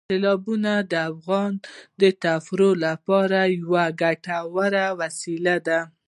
سیلابونه د افغانانو د تفریح لپاره یوه ګټوره وسیله ده.